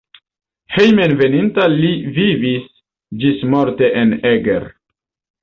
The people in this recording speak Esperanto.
Hejmenveninta li vivis ĝismorte en Eger.